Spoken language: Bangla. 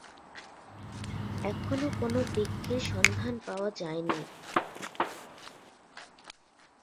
এখনো কোন স্ত্রী বৃক্ষের সন্ধান পাওয়া যায়নি।